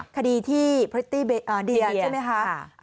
คดีที่พฤติเดียใช่ไหมคะ